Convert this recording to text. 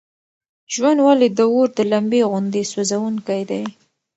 ژوند ولې د اور د لمبې غوندې سوزونکی دی؟